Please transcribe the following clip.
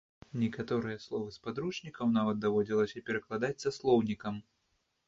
Некаторыя словы з падручнікаў нават даводзілася перакладаць са слоўнікам.